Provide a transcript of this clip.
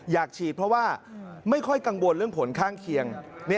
อยากฉีดเพราะว่าไม่ค่อยกังวลเรื่องผลข้างเคียง